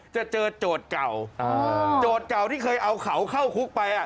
จะเจอโจทย์เก่าโจทย์เก่าที่เคยเอาเขาเข้าคุกไปอ่ะ